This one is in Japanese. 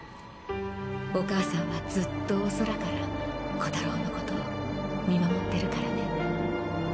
お母さんはずっとお空から弧太郎のこと見守ってるからね」。